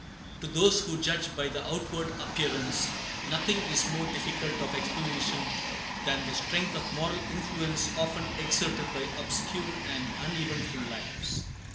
To those who judge by the outward appearance, nothing is more difficult of explanation than the strength of moral influence often exerted by obscure and uneventful lives.